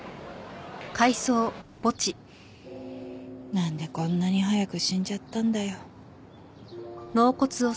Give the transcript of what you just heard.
なんでこんなに早く死んじゃったんだよ。